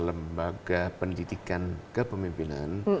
sebuah pendidikan kepemimpinan